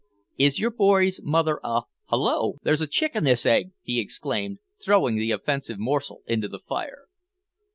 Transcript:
"Is your boy's mother a Hollo! there's a chick in this egg," he exclaimed, throwing the offensive morsel into the fire.